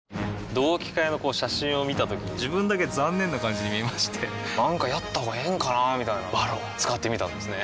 同期会の写真を見たときに自分だけ残念な感じに見えましてなんかやったほうがええんかなーみたいな「ＶＡＲＯＮ」使ってみたんですね